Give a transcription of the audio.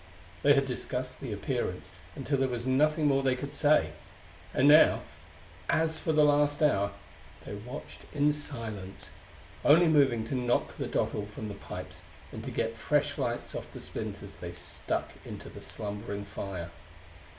They had discussed the appearance until there was nothing more they could say; and now as for the last hour, they watched in silence, only moving to knock the dottle from their pipes and to get fresh lights off the splinters they stuck into their slumbering fire.